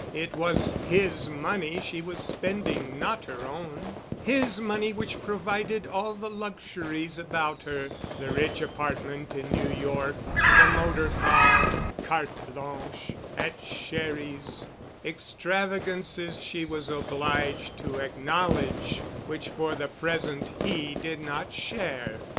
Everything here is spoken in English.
It was his money she was spending, not her own; his money which provided all the luxuries about her—the rich apartment in New York, the motor car, carte blanche at Sherry's, extravagances, she was obliged to acknowledge, which for the present he did not share.